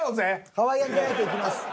ハワイアンデライトいきます。